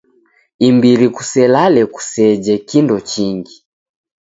Imbiri kuselale kuseje kindo chingi.